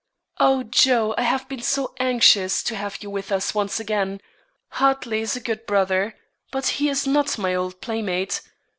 "Oh, Joe, I have been so anxious to have you with us once again! Hartley is a good brother, but he is not my old playmate.